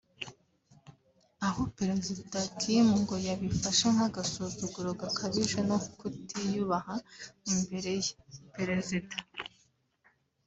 aho perezida Kim ngo yabifashe nk’agasuzuguro gakabije no kutiyubaha imbere ye [perezida]